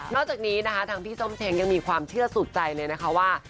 จากนี้นะคะทางพี่ส้มเช้งยังมีความเชื่อสุดใจเลยนะคะว่า